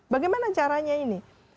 bagaimana caranya ini